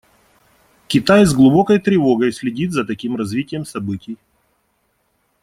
Китай с глубокой тревогой следит за таким развитием событий.